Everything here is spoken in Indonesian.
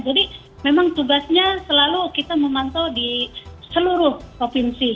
jadi memang tugasnya selalu kita memantau di seluruh provinsi